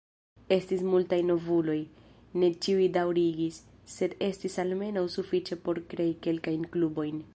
Estis multaj novuloj, ne ĉiuj daŭrigis, sed estis almenaŭ sufiĉe por krei kelkajn klubojn.